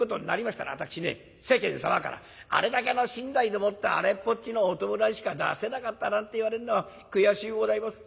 私ね世間様からあれだけの身代でもってあれっぽっちのお葬式しか出せなかったなんて言われるのは悔しゅうございます。